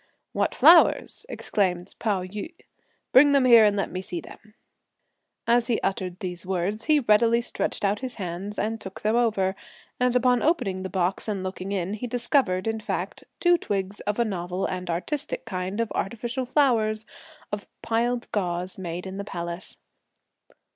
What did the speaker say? "What flowers?" exclaimed Pao yü. "Bring them here and let me see them." As he uttered these words, he readily stretched out his hands and took them over, and upon opening the box and looking in, he discovered, in fact, two twigs of a novel and artistic kind of artificial flowers, of piled gauze, made in the palace.